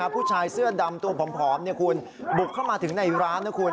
ผู้ชายเสื้อดำตัวผอมบุกเข้ามาถึงในร้าน